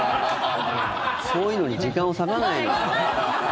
そういうのに時間を割かないの。